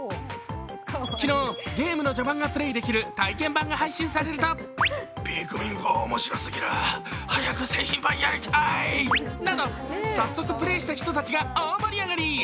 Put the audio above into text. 昨日、ゲームの序盤がプレーできる体験版が配信されるとなど早速プレーした人たちが大盛り上がり。